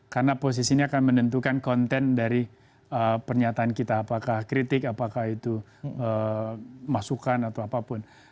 karena posisi ini akan menentukan konten dari pernyataan kita apakah kritik apakah itu masukan atau apapun